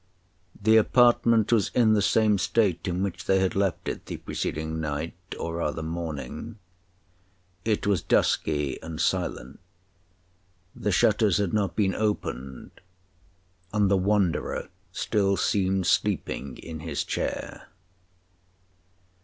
The apartment was in the same state in which they had left it the preceding night, or rather morning; it was dusky and silent, the shutters had not been opened, and the Wanderer still seemed sleeping in his chair.